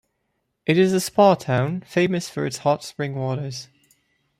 It is a spa town, famous for its hot spring waters.